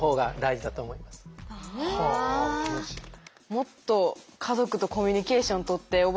もっと家族とコミュニケーションとっておばあちゃん